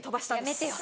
やめてよ。